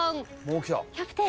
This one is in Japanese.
もう来た。